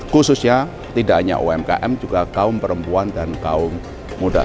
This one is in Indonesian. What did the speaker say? khususnya tidak hanya umkm juga kaum perempuan dan kaum muda